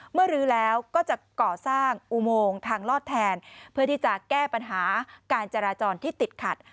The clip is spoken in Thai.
รื้อแล้วก็จะก่อสร้างอุโมงทางลอดแทนเพื่อที่จะแก้ปัญหาการจราจรที่ติดขัด